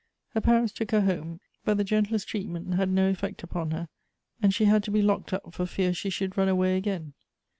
Her parents took her home ; but the gentlest treatment had no effect upon her, and she had to be locked up for fear she should run away again.